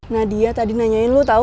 nadia tadi nanyain lu tau